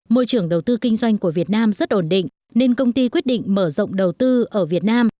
môi trường đầu tư kinh doanh của việt nam rất ổn định nên công ty quyết định mở rộng đầu tư ở việt nam